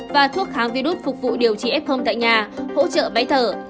và thuốc kháng virus phục vụ điều trị f tại nhà hỗ trợ máy thở